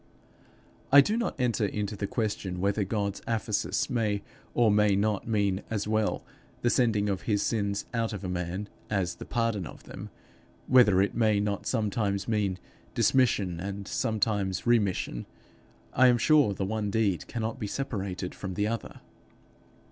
I do not enter into the question whether God's aphesis may or may not mean as well the sending of his sins out of a man, as the pardon of them; whether it may not sometimes mean dismission, and sometimes remission: I am sure the one deed cannot be separated from the other.